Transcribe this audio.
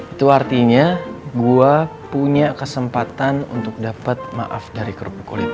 itu artinya gue punya kesempatan untuk dapat maaf dari kerupuk kulit